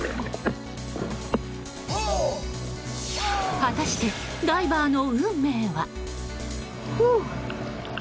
果たして、ダイバーの運命は？